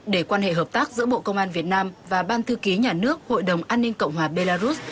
để quan hệ hợp tác giữa bộ công an việt nam và ban thư ký nhà nước hội đồng an ninh cộng hòa belarus